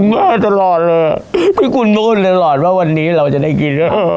มาตลอดเลยพี่คุณโน้นออกว่าวันนี้เราจะได้กิน